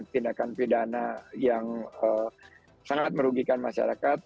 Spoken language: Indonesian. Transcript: tindakan pidana yang sangat merugikan masyarakat